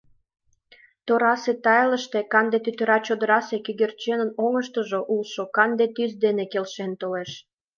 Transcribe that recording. Торасе тайылыште канде тӱтыра чодырасе кӧгӧрченын оҥыштыжо улшо канде тӱс дене келшен толеш.